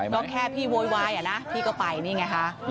ก็แค่พี่โวยวายอะนะพี่ก็ไปนี่ไงคะ